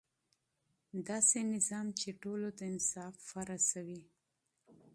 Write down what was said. داسې نظام چې ټولو ته انصاف ورسوي.